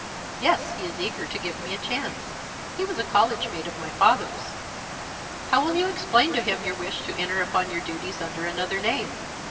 "Yes, he is eager to give me a chance. He was a college mate of my father's." "How will you explain to him your wish to enter upon your duties under another name?"